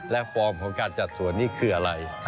และฟอร์มของการจัดสวนนี่คืออะไร